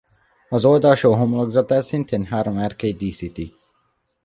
Az oldalsó homlokzatát szintén három erkély díszíti.